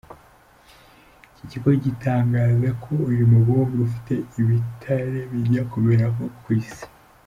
Iki kigo gitangaza ko uyu mubumbe ufite ibitare bijya kumera nko ku isi.